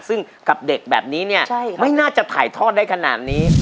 ซึ่งกับเด็กแบบนี้เนี่ยไม่น่าจะถ่ายทอดได้ขนาดนี้